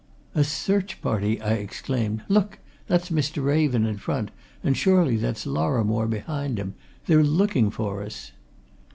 "A search party!" I exclaimed. "Look that's Mr. Raven, in front, and surely that's Lorrimore, behind him. They're looking for us."